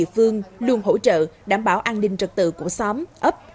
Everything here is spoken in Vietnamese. phương luôn hỗ trợ đảm bảo an ninh trật tự của xóm ấp